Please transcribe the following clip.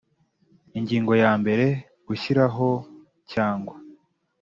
Ingingo ya mbere Gushyiraho cyangwa